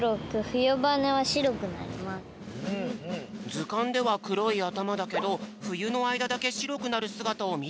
ずかんではくろいあたまだけどふゆのあいだだけしろくなるすがたをみてみたいんだって。